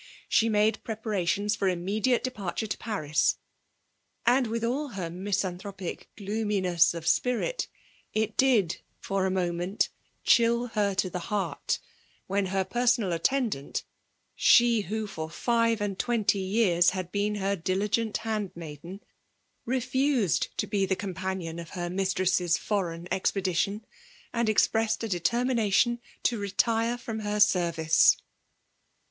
She made preparations for imme diate departure to Paris, and, with all her mis anthropic gloominess of spirit, it dul for a moment chill her to the heart, when her per sonal attendant, she who for five and twenty years had been her diligent handmaiden, re fused to be the companion of her mistress's VOL. III. p 314 FEMALE DOMINATION. foreign eacpedition, and expressed a determi nation to retire firom her serriee.